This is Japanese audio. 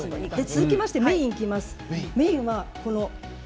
続きましてメインにいきます。